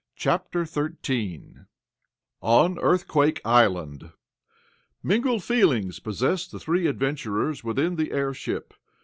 CHAPTER XIII ON EARTHQUAKE ISLAND Mingled feelings possessed the three adventurers within the airship.